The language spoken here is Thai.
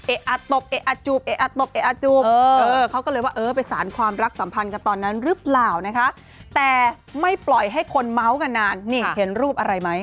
เอ๊ะอาตบเอ๊ะอาจูบเอ๊ะอาตบเอ๊ะอาจูบ